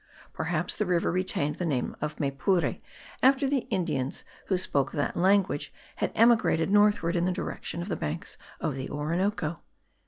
Perhaps the river retained the name of Maypure, after the Indians who spoke that language had emigrated northward in the direction of the banks of the Orinoco.)